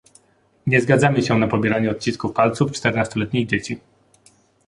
Nie zgadzamy się na pobieranie odcisków palców czternastoletnich dzieci